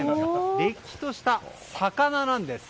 れっきとした、魚なんです。